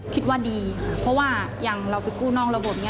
คิดว่าดีค่ะเพราะว่าอย่างเราไปกู้นอกระบบนี้